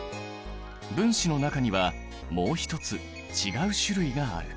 分子の中にはもう一つ違う種類がある。